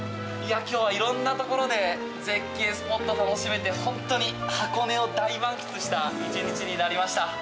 今日は色んなところで絶景スポット楽しめて本当に箱根を大満喫した１日になりました。